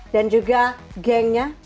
dan juga gengnya